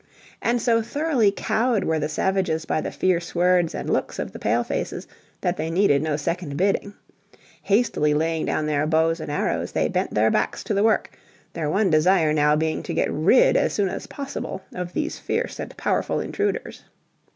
And so thoroughly cowed were the savages by the fierce words and looks of the Pale faces that they needed no second bidding. Hastily laying down their bows and arrows they bent their backs to the work, their one desire now being to get rid as soon as possible of these fierce and powerful intruders.